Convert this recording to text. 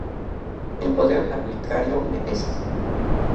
El poder arbitrario me pesa.